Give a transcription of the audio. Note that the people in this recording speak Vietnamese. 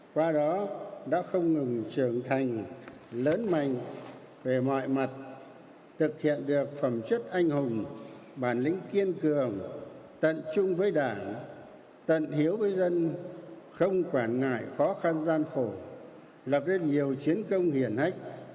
qua đó đã không ngừng trưởng thành lớn mạnh về mọi mặt thực hiện được phẩm chất anh hùng bản lĩnh kiên cường tận trung với đảng tận hiếu với dân không quản ngại khó khăn gian khổ lập nên nhiều chiến công hiển hách